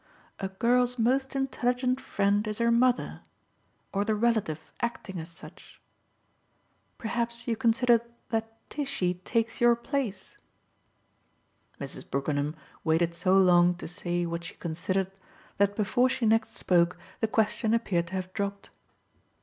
A girl's most intelligent friend is her mother or the relative acting as such. Perhaps you consider that Tishy takes your place!" Mrs. Brookenham waited so long to say what she considered that before she next spoke the question appeared to have dropped.